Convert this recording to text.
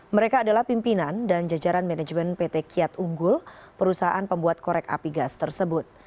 mereka adalah pimpinan dan jajaran manajemen pt kiat unggul perusahaan pembuat korek api gas tersebut